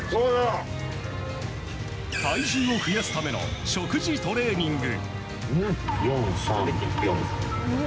体重を増やすための食事トレーニング。